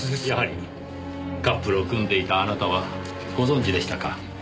やはりカップルを組んでいたあなたはご存じでしたか。